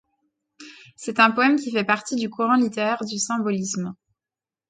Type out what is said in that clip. C'est un poème qui fait partie du courant littéraire du symbolisme.